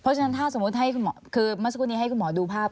เพราะฉะนั้นถ้าสมมุติให้คุณหมอคือเมื่อสักครู่นี้ให้คุณหมอดูภาพ